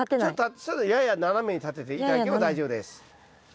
ちょっとやや斜めに立てて頂けば大丈夫です。